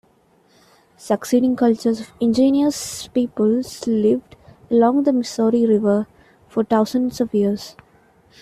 Succeeding cultures of indigenous peoples lived along the Missouri River for thousands of years.